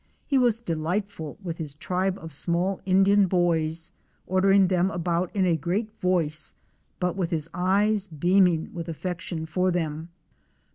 He was delightful with his tribe of small Indian boys, ordering them about in a great voice but with his eyes beaming with affection for them.